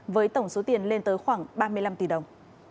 với tổng số tiền lên tới khoảng ba mươi năm tỷ đồng